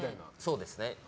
そうですね。